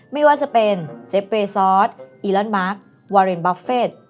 ไม่ว่าจะเป็นเจเปซอสอีลอนมาร์ควาเรนบัฟเฟต